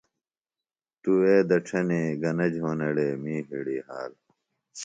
تُوے دڇھنے گنہ جھونڑے می ہڑی حال۔